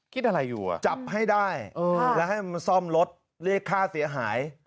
คิดอะไรอยู่อ่ะจับให้ได้แล้วให้มันซ่อมรถเรียกค่าเสียหาย